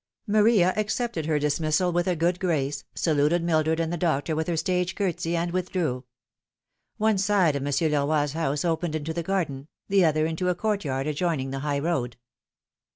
Maria accepted her dismissal with a good grace, saluted Mil dred and the doctor with her stage curtsy, and withdrew. One Bide of Monsieur Leroy's house opened into the garden, the other into a courtyard adjoining the high road.